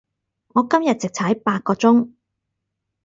我今日直踩八個鐘